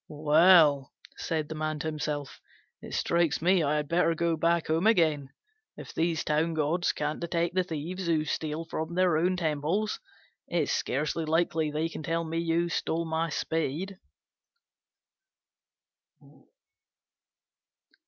"Well," said the Man to himself, "it strikes me I had better go back home again. If these town gods can't detect the thieves who steal from their own temples, it's scarcely likely they can tell me who stole my Spade."